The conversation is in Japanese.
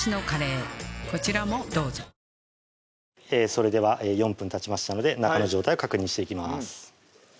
それでは４分たちましたので中の状態を確認していきます